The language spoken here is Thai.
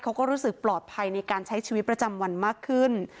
เขาก็รู้สึกปลอดภัยในการใช้ชีวิตประจำวันมากขึ้น